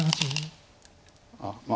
あっまあ